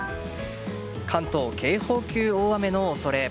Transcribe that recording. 関東、警報級大雨の恐れ。